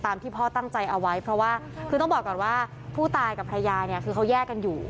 ที่พ่อตั้งใจเอาไว้เพราะว่าคือต้องบอกก่อนว่าผู้ตายกับภรรยาเนี่ยคือเขาแยกกันอยู่